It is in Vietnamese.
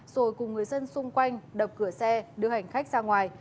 rồi cùng người dân xung quanh đập cửa xe đưa hành khách ra ngoài